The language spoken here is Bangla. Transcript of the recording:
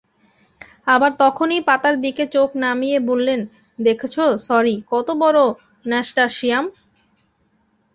আবার তখনই পাতার দিকে চোখ নামিয়ে বললেন, দেখেছ সরি, কতবড়ো ন্যাসটার্শিয়াম।